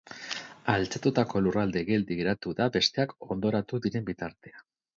Altxatutako lurralde geldi geratu da besteak hondoratu diren bitartean.